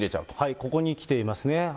ここにきていますね。